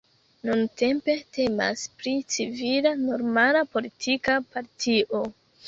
Nuntempe temas pri civila normala politika partio.